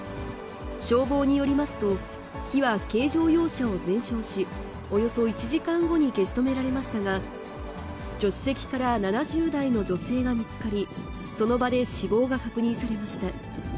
消防によりますと、火は軽乗用車を全焼し、およそ１時間後に消し止められましたが、助手席から７０代の女性が見つかり、その場で死亡が確認されました。